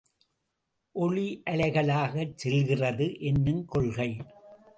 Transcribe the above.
ஒளி அலைகளாகச் செல்கிறது என்னுங் கொள்கை.